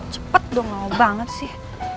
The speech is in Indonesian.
cepet dong mau banget sih